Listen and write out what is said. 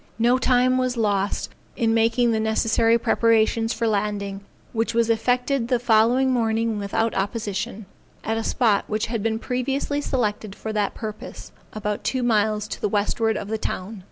No time was lost in making the necessary preparations for landing, which was effected the following morning without opposition, at a spot which had been previously selected for that purpose, about two miles to the westward of the town.